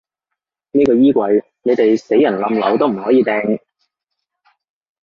呢個衣櫃，你哋死人冧樓都唔可以掟